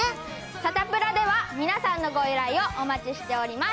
サタプラでは、皆さんのご依頼をお待ちしております。